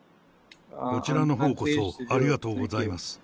こちらのほうこそ、ありがとうございます。